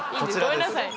ごめんなさい。